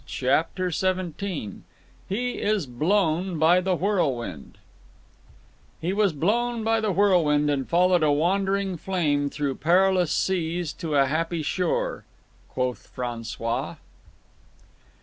CHAPTER XVII HE IS BLOWN BY THE WHIRLWIND "He was blown by the whirlwind and followed a wandering flame through perilous seas to a happy shore."—_Quoth François.